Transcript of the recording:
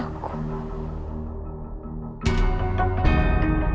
aku akanimento kamu dengan nafsu di dalam